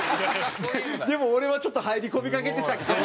でも俺はちょっと入り込みかけてたけど。